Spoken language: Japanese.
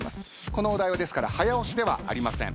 このお題はですから早押しではありません。